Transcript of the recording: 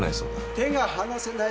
手が離せない。